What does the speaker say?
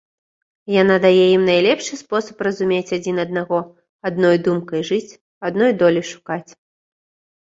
Яна дае ім найлепшы спосаб разумець адзін аднаго, адной думкай жыць, адной долі шукаць.